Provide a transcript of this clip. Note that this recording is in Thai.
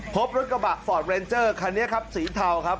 พบรถกระบะฟอร์ดเรนเจอร์คันนี้ครับสีเทาครับ